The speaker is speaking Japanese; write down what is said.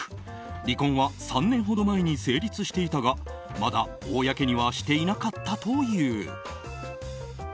離婚は３年ほど前に成立していたがまだ公にはしていなかったという。